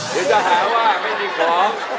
เดี๋ยวจะหาว่าไม่มีของ